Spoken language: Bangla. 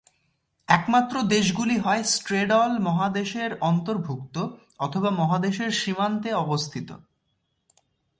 একমাত্র দেশগুলি হয় স্ট্রেডল মহাদেশের অন্তর্ভুক্ত অথবা মহাদেশের সীমান্তে অবস্থিত।